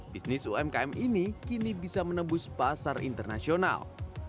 bisnis umkm ini kini bisa menembus pasar internasional